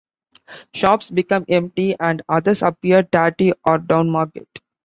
Shops became empty and others appeared tatty or downmarket.